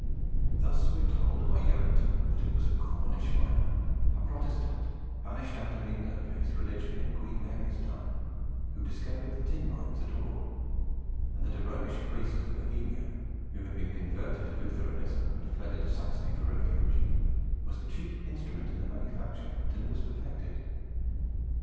Thus we are told by Yarranton that it was a Cornish miner, a Protestant, banished out of England for his religion in Queen Mary's time, who discovered the tin mines at Awe, and that a Romish priest of Bohemia, who had been converted to Lutheranism and fled into Saxony for refuge, "was the chief instrument in the manufacture until it was perfected."